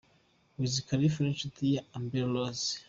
Wiz Khalifa n’inshuti ye Amber Rose.